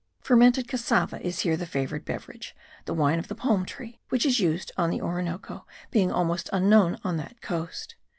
Fermented cassava is here the favourite beverage; the wine of the palm tree, which is used on the Orinoco, being almost unknown on the coast.